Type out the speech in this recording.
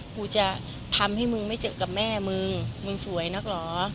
กูจะทำให้มึงไม่เจอกับแม่มึงมึงสวยนักเหรอ